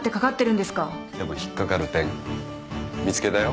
でも引っ掛かる点見つけたよ。